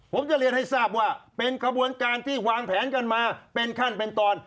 ผมจะเรียนให้ทราบว่าเป็นขบวนการที่วางแผนกันมาเป็นขั้นเป็นตอน